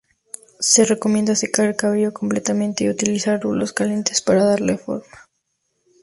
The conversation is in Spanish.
Se recomienda secar el cabello completamente y utilizar rulos calientes para darle forma.